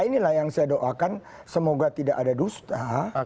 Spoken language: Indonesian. inilah yang saya doakan semoga tidak ada dusta